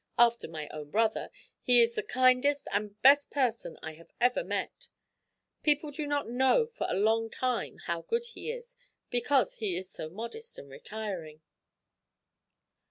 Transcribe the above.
"After my own brother, he is the kindest and best person I have ever met. People do not know for a long time how good he is, because he is so modest and retiring."